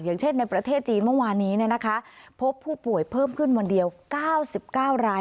อย่างเช่นในประเทศจีนเมื่อวานนี้พบผู้ป่วยเพิ่มขึ้นวันเดียว๙๙ราย